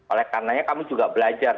oleh karenanya kami juga belajar